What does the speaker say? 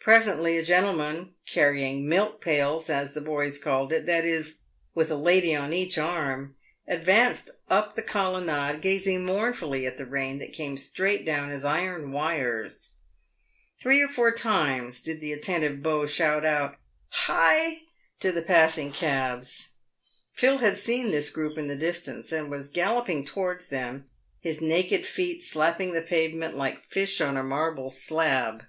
Presently a gentleman, "carrying milk pails," as the boys called it — that is, with a lady on each arm — advanced up the colonnade, PAYED WITH GOLD. 113 gazing mournfully at the rain that came down straight as iron wires. Three or four times did the attentive beau shout out " Hi !" to the passing cabs. Phil had seen this group in the distance, and was gal loping towards them, his naked feet slapping the pavement like fish on a marble slab.